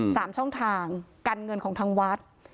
ช่องทางการเงินของทางวัด